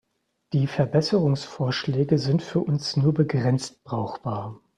Die Verbesserungsvorschläge sind für uns nur begrenzt brauchbar.